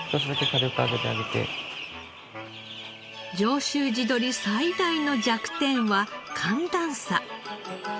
上州地鶏最大の弱点は寒暖差。